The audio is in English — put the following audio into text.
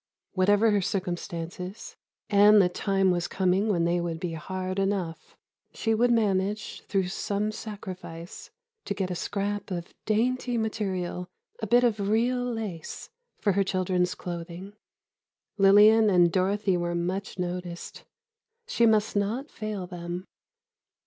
Whatever her circumstances—and the time was coming when they would be hard enough—she would manage, through some sacrifice, to get a scrap of dainty material, a bit of real lace, for her children's clothing. Lillian and Dorothy were much noticed—she must not fail them.